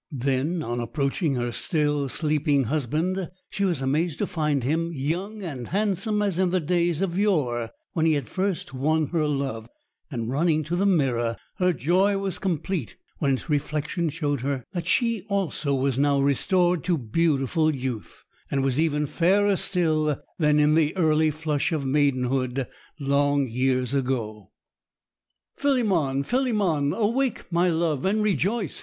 Then, on approaching her still sleeping husband, she was amazed to find him young and handsome as in the days of yore, when he had first won her love; and running to the mirror, her joy was complete when its reflection showed her that she also was now restored to beautiful youth, and was even fairer still than in the early flush of maidenhood long years ago! "Philemon! Philemon! awake, my love, and rejoice!"